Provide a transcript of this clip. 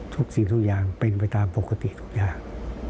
สิ่งทุกอย่างเป็นไปตามปกติทุกอย่าง